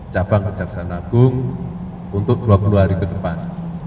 cabang kejaksaan agung untuk dua puluh hari ke depan